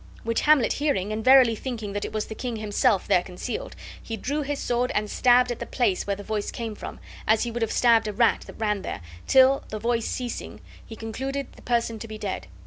which Hamlet hearing, and verily thinking that it was the king himself there concealed, he drew his sword and stabbed at the place where the voice came from, as he would have stabbed a rat that ran there, till, the voice ceasing, he concluded the person to be dead.